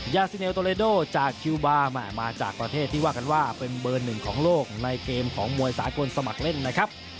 ยาซิเนลโตเลโดจากคิวบาร์มาจากประเทศที่ว่ากันว่าเป็นเบอร์หนึ่งของโลกในเกมของมวยสากลสมัครเล่นนะครับ